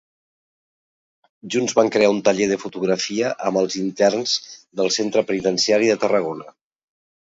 Junts van crear un taller de fotografia amb els interns del Centre Penitenciari de Tarragona.